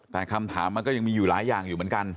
แต่คำถามมันก็ยังมีอยู่หลายอย่างอยู่เหมือนกัน